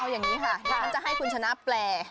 เอาอย่างนี้ค่ะเราก็จะให้คุณชนะแปร